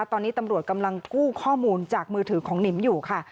ตอนนี้ตำรวจกำลังกู้ข้อมูลจากมือถือของหนิมอยู่ค่ะ